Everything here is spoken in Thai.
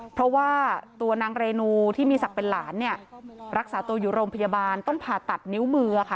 เพราะว่าตัวนางเรนูที่มีศักดิ์เป็นหลานเนี่ยรักษาตัวอยู่โรงพยาบาลต้องผ่าตัดนิ้วมือค่ะ